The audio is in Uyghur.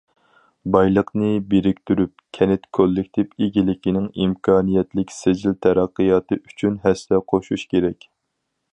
بايلىقنى بىرىكتۈرۈپ، كەنت كوللېكتىپ ئىگىلىكىنىڭ ئىمكانىيەتلىك سىجىل تەرەققىياتى ئۈچۈن ھەسسە قوشۇش كېرەك.